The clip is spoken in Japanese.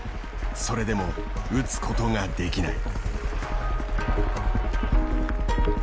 それでも打つことができない。